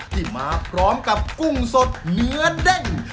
ที่มาพร้อมกับกุ้งสดเนื้อเด้ง